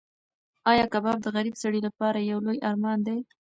ایا کباب د غریب سړي لپاره یو لوی ارمان دی؟